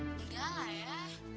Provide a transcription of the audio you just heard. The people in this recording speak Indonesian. enggak lah ya